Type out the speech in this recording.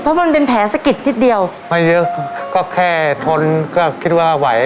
เพราะมันเป็นแผลสะกิดนิดเดียวไม่เยอะก็แค่ทนก็คิดว่าไหว